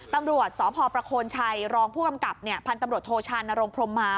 ตำรวจสพประโคนชัยรองผู้กำกับพันธุ์ตำรวจโทชานรงพรมมา